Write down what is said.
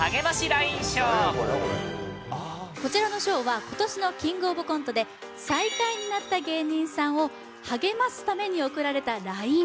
こちらの賞は今年の「キングオブコント」で最下位になった芸人さんを励ますために送られたＬＩＮＥ